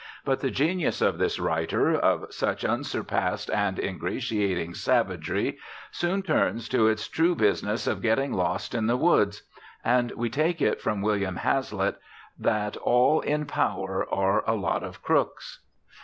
But the genius of this writer, of such unsurpassed and ingratiating savagery, soon turns to its true business of getting lost in the woods, and we take it from William Hazlitt that all in power are a lot of crooks.